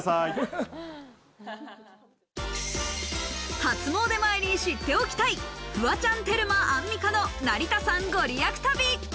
初詣前に知っておきたい、フワちゃん、テルマ、アンミカの成田山ご利益旅。